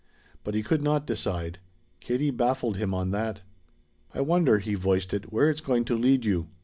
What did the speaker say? But he could not decide. Katie baffled him on that. "I wonder," he voiced it, "where it's going to lead you?